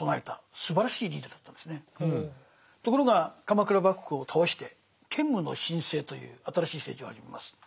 ところが鎌倉幕府を倒して建武の新政という新しい政治を始めます。